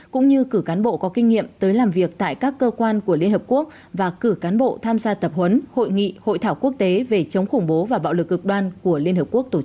cũng như cử cán bộ có kinh nghiệm tới làm việc tại các cơ quan của liên hợp quốc và cử cán bộ tham gia tập huấn hội nghị hội thảo quốc tế về chống khủng bố và bạo lực cực đoan của liên hợp quốc tổ chức